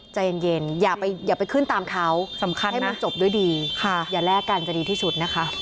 ใจเย็นอย่าไปขึ้นตามเขาสำคัญให้มันจบด้วยดีอย่าแลกกันจะดีที่สุดนะคะ